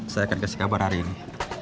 saya akan kasih kabar hari ini